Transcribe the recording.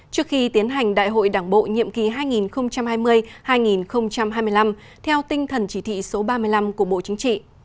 trước khi tiến hành đại hội đảng bộ nhiệm kỳ hai nghìn hai mươi hai nghìn hai mươi năm theo tinh thần chỉ thị số ba mươi năm của bộ chính trị